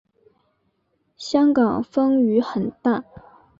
香港风雨很大